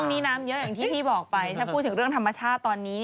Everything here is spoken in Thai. ที่พี่บอกไปถ้าพูดถึงเรื่องธรรมชาติตอนนี้